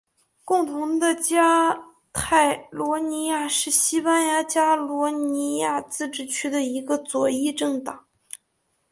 共同的加泰罗尼亚是西班牙加泰罗尼亚自治区的一个左翼政党。